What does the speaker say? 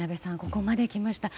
ここまで来ました。